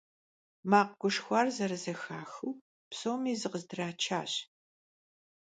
Макъ гушхуар зэрызэхахыу, псоми зыкъыздрачащ.